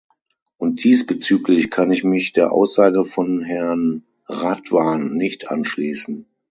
Und diesbezüglich kann ich mich der Aussage von Herrn Radwan nicht anschließen.